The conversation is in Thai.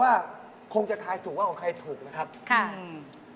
เอาของแดมมาชนของสวยอย่างงานตรงนี้ครับคุณแม่ตั๊ก